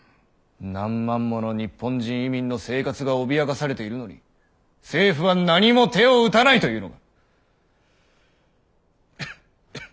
何万もの日本人移民の生活が脅かされているのに政府は何も手を打たないというのか！